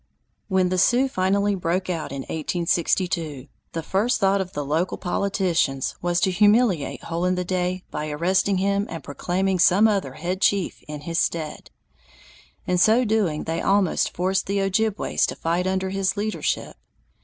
When the Sioux finally broke out in 1862, the first thought of the local politicians was to humiliate Hole in the Day by arresting him and proclaiming some other "head chief" in his stead. In so doing they almost forced the Ojibways to fight under his leadership.